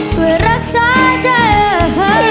ช่วยรักษาให้กลับไป